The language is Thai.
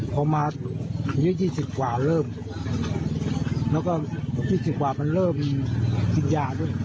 พอมาอายุ๒๐กว่าเริ่มแล้วก็๒๐กว่ามันเริ่มกินยาด้วย